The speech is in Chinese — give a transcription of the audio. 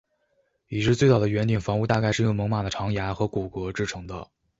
已知最早的圆顶房屋大概是用猛犸的长牙和骨骼制成的。